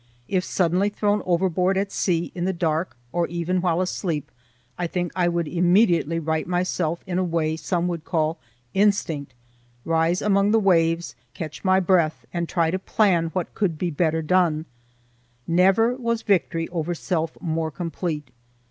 If suddenly thrown overboard at sea in the dark, or even while asleep, I think I would immediately right myself in a way some would call "instinct," rise among the waves, catch my breath, and try to plan what would better be done. Never was victory over self more complete.